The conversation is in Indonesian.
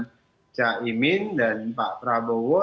pak caimin dan pak prabowo